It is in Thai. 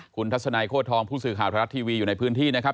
คุณทัศนัยโค้ทองผู้สื่อข่าวไทยรัฐทีวีอยู่ในพื้นที่นะครับ